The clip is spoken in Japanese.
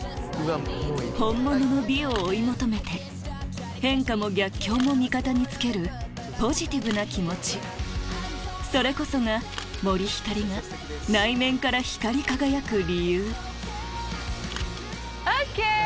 本物の美を追い求めて変化も逆境も味方につけるポジティブな気持ちそれこそが森星が内面から光り輝く理由ＯＫ！